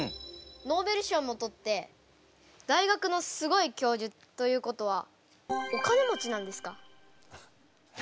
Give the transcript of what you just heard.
ノーベル賞もとって大学のすごい教授ということはお金持ちなんですか？